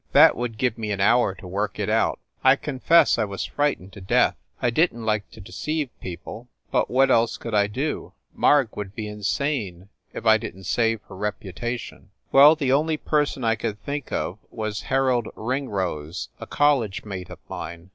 That would give me an hour to work it out. I confess I was frightened to death. I didn t like to deceive people, but what else could I do? Marg would be insane if I didn t save her repu tation. "Well, the only person I could think of was Har old Ringrose, a college mate of mine.